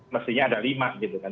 mestinya ada lima gitu kan